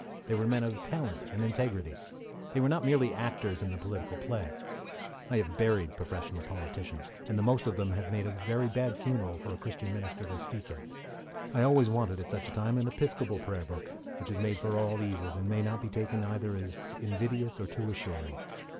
They were men of talent and integrity. They were not merely actors in the political play. I have buried professional politicians, and the most of them made a very bad funeral for a Christian minister to speak at. I always wanted, at such a time, an Episcopal prayer book, which is made for all eases, and may not be taken either as invidious or too assuring.